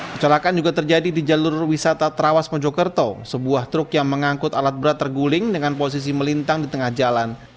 kecelakaan juga terjadi di jalur wisata trawas mojokerto sebuah truk yang mengangkut alat berat terguling dengan posisi melintang di tengah jalan